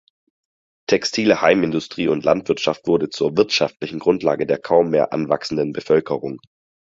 Textile Heimindustrie und Landwirtschaft wurden zur wirtschaftlichen Grundlage der kaum mehr anwachsenden Bevölkerung.